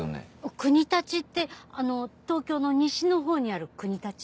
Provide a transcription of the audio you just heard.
国立ってあの東京の西の方にある国立？